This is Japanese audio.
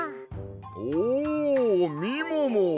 おみもも！